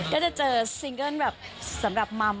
ก็จะเจอซิงเกิ้ลแบบสำหรับมัม